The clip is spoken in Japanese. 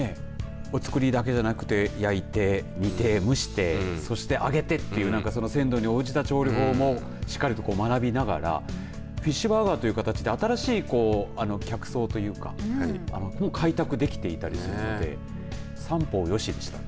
お造りだけじゃなくて焼いて、煮て、蒸してそして揚げてっていう鮮度に応じた調理法をしっかりと学びながらフィッシュバーガーという新しい形で新しい客層というか開拓できていたりしていて三方よしでしたね。